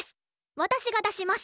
私が出します。